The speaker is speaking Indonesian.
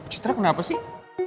citra kenapa sih